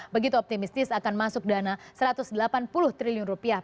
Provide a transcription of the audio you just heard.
begitu optimistis akan masuk dana satu ratus delapan puluh triliun rupiah